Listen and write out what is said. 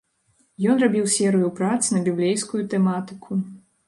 Ён рабіў серыю прац на біблейскую тэматыку.